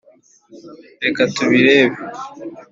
Reka tubirebe .